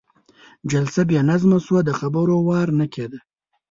جلسه بې نظمه شوه، د خبرو وار نه کېده.